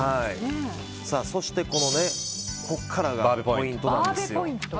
そして、ここからがポイントなんです。